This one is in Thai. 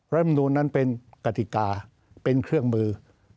รัฐมนูลนั้นเป็นกติกาเป็นเครื่องมือ